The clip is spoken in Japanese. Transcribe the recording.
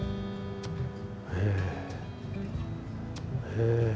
ええええ。